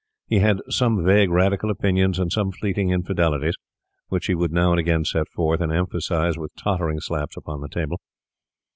He had some vague Radical opinions and some fleeting infidelities, which he would now and again set forth and emphasise with tottering slaps upon the table.